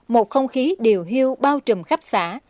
một không khí điều hiu bao trùm khắp xã